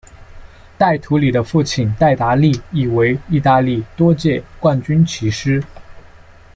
戴图理的父亲戴达利亦为意大利多届冠军骑师。